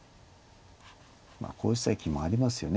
こうしたい気もありますよね